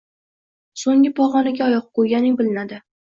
So’nggi pog’onaga oyoq qo’yganing bilinadi.